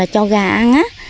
cho gà ăn á